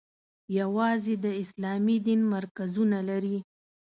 یوازې د اسلامي دین مرکزونه لري.